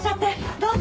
どうぞ。